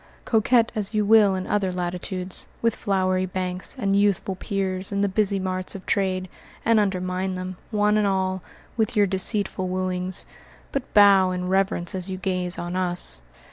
Coquette as you will in other latitudes, with flowery banks and youthful piers in the busy marts of trade, and undermine them, one and all, with your deceitful wooings, but bow in reverence as you gaze on us.